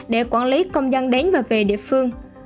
để quản lý công dân đến và về địa phương